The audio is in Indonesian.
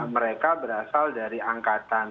mereka berasal dari angkatan